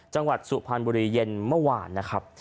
จังหวัดสุพรรณบุรีเย็นเมื่อวานนะครับ